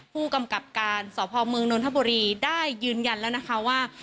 ผู้กำกับการสพเมืองนนทบุรีได้ยืนยันแล้วนะคะว่า